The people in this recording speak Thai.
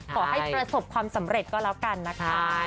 ขอให้ประสบความสำเร็จก็แล้วกันนะคะ